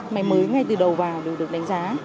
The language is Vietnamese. máy mới ngay từ đầu vào đều được đánh giá